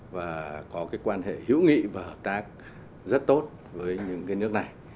và có quan hệ hữu nghị và hợp tác rất tốt với những nước này